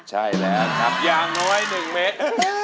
ใช่แหละครับอย่างน้อยหนึ่งเม็ด